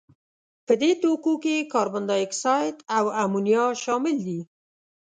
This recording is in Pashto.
په دې توکو کې کاربن دای اکساید او امونیا شامل دي.